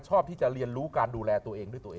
ชอบที่จะเรียนรู้การดูแลตัวเองด้วยตัวเอง